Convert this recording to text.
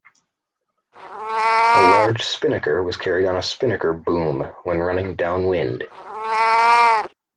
A large spinnaker was carried on a spinnaker boom, when running down-wind.